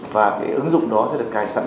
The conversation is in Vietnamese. và cái ứng dụng đó sẽ được cài sẵn